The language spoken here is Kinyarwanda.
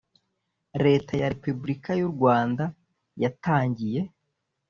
leta ya repubulika y u rwanda yatangiye